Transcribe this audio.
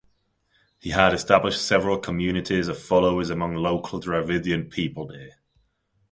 He had established several communities of followers among local Dravidian people there.